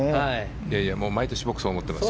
毎年、僕そう思ってます。